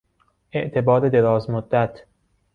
اعتبار دراز مدت